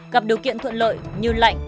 gặp điều kiện thuận lợi như lạnh